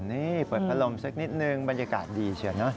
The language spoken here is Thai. นี่เปิดพัดลมสักนิดนึงบรรยากาศดีเชียวนะ